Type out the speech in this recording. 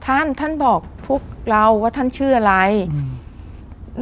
ท่านท่านบอกพวกเราว่าท่านชื่ออะไรอืม